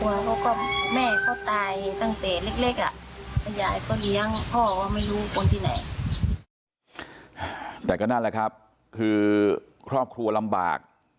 ว่าไม่รู้คนที่ไหนแต่ก็นั่นแหละครับคือครอบครัวลำบาก